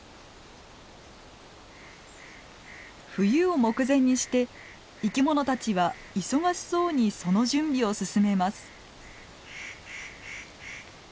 冬を目前にして生き物たちは忙しそうにその準備を進めます。